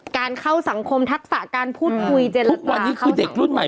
การเข้าสังคมทักษะการพูดคุยเจรจาทุกวันนี้คือเด็กรุ่นใหม่